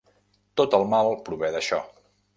Tot el mal prové d'això.